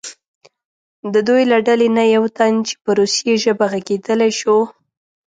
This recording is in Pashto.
د دوی له ډلې نه یو تن چې په روسي ژبه غږېدلی شو.